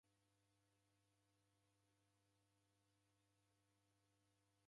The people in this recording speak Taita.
Wanichuia mada chongonyi.